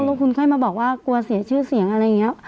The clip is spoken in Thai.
แล้วคุณค่อยมาบอกว่ากลัวเสียชื่อเสียงอะไรอย่างนี้